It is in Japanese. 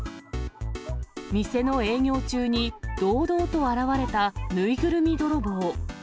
店の営業中に堂々と現れた縫いぐるみ泥棒。